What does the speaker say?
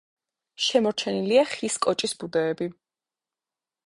შემორჩენილია ხის კოჭის ბუდეები.